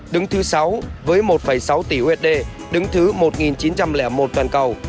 đứng thứ sáu với một sáu tỷ usd đứng thứ một chín trăm linh một toàn cầu